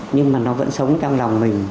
nhưng mà nó vẫn sống trong lòng mình